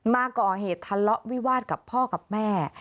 มาก่อเหตุทะเลาะวิวาสกับพ่อกับแม่